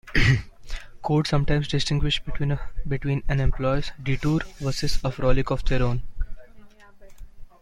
Courts sometimes distinguish between an employee's "detour" versus "a frolic of their own".